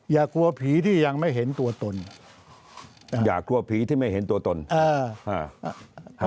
อย่ากลัวผีที่ยังไม่เห็นตัวตนอย่ากลัวผีที่ไม่เห็นตัวตนอ่า